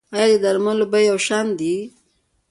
آیا د درملو بیې یو شان دي؟